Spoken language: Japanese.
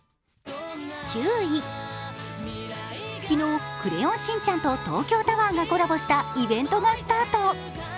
９位、昨日、「クレヨンしんちゃん」と東京タワーがコラボしたイベントがスタート。